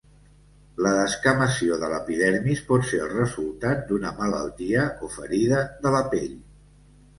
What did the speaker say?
La descamació de l'epidermis pot ser el resultat d'una malaltia o ferida de la pell.